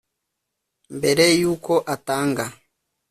Mbere yuko atanga